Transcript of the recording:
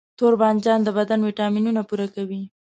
توربانجان د بدن ویټامینونه پوره کوي.